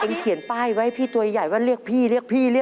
เอ็งเขียนป้ายไว้พี่ตัวใหญ่ว่าเรียกพี่นะ